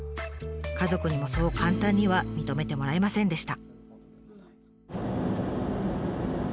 家族にもそう簡単には認めてもらえませんでした。